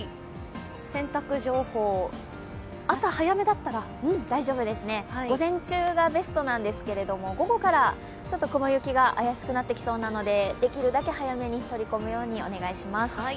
洗濯情報、朝早めだったら大丈夫ですね、午前中がベストなんですけど午後からちょっと雲行きが怪しくなってきそうなので、できるだけ早めに取り込むようにお願いします。